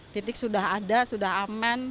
titik sudah ada sudah aman